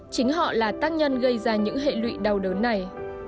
chính họ là tác nhân gây ra những hệ lụy đau đớn này